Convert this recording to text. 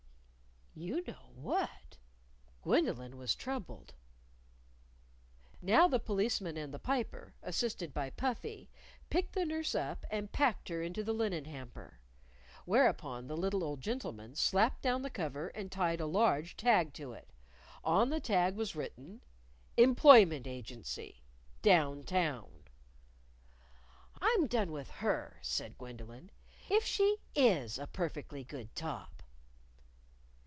You know what? Gwendolyn was troubled. Now the Policeman and the Piper, assisted by Puffy, picked the nurse up and packed her into the linen hamper. Whereupon the little old gentleman slapped down the cover and tied a large tag to it. On the tag was written Employment Agency, Down Town!" "I'm done with her" said Gwendolyn; " if she is a perfectly good top."